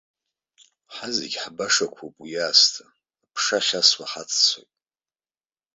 Ҳазегьы ҳбашақәоуп уи иаасҭа, аԥша ахьасуа ҳаццоит.